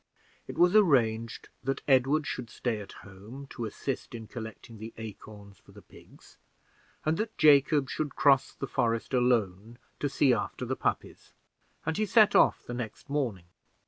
It was arranged that Edward should stay at home to assist in collecting the acorns for the pigs, and that Jacob should cross the forest alone to see after the puppies, and he set off the next morning.